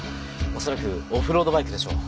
おそらくオフロードバイクでしょう。